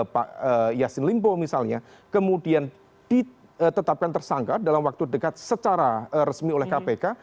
pak yassin limpo misalnya kemudian ditetapkan tersangka dalam waktu dekat secara resmi oleh kpk